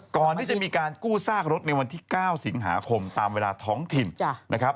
ก่อนที่จะมีการกู้ซากรถในวันที่๙สิงหาคมตามเวลาท้องถิ่นนะครับ